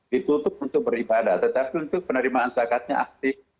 ditutup untuk beribadah tetapi untuk penerimaan zakatnya aktif